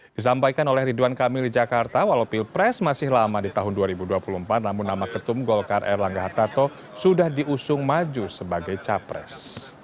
disampaikan oleh ridwan kamil di jakarta walau pilpres masih lama di tahun dua ribu dua puluh empat namun nama ketum golkar erlangga hartato sudah diusung maju sebagai capres